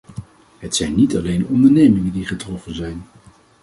Het zijn niet alleen ondernemingen die getroffen zijn.